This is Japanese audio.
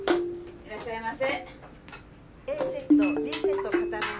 いらっしゃいませ。